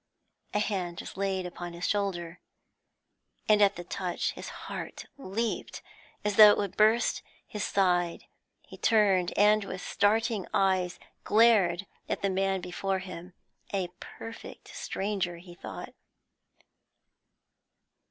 A hand was laid upon his shoulder, and at the touch his heart leaped as though it would burst his side. He turned and, with starting eyes, glared at the man before him, a perfect stranger, he thought.